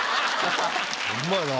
ホンマやな。